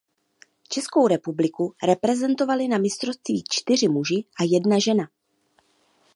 Českou republiku reprezentovali na mistrovství čtyři muži a jedna žena.